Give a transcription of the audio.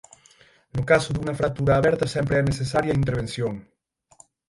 No caso dunha fractura aberta sempre é necesaria a intervención.